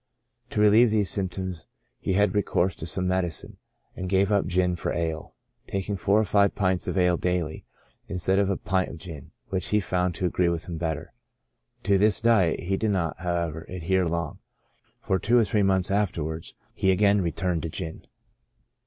To relieve these symptoms he had recourse to some medicine, and gave up gin for ale, taking four or five pints of ale daily, instead of a pint of gin, which he found to agree with him better. To this diet he did not, however, adhere long, for two or three months afterwards he again returned to gin.